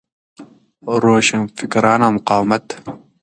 روشنفکران او مقاومت